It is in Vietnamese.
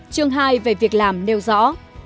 chương hai về việc làm nêu rõ